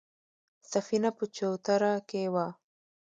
سفينه په چوتره کې وه.